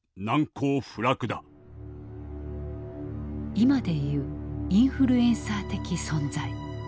今で言うインフルエンサー的存在。